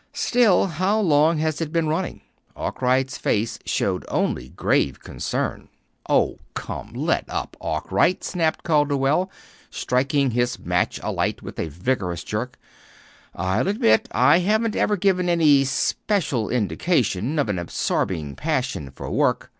Still how long has it been running?" Arkwright's face showed only grave concern. "Oh, come, let up, Arkwright," snapped Calderwell, striking his match alight with a vigorous jerk. "I'll admit I haven't ever given any special indication of an absorbing passion for work.